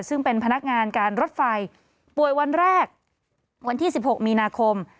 ซึ่งเป็นพนักงานการรถไฟป่วยวันแรกวันที่๑๖มีนาคม